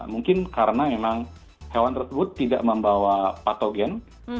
mungkin karena memang hewan tersebut tidak membawa patogen